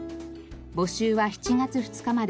募集は７月２日まで。